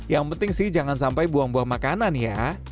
yang penting sih jangan sampai buang buang makanan ya